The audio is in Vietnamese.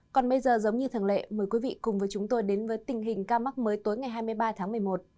còn bây giờ giống như thường lệ mời quý vị cùng với chúng tôi đến với tình hình ca mắc mới tối ngày hai mươi ba tháng một mươi một